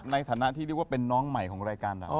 ในฐานะที่เรียกว่าเป็นน้องใหม่ของรายการเรา